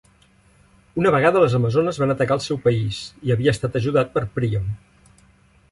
Una vegada les amazones van atacar el seu país, i havia estat ajudat per Príam.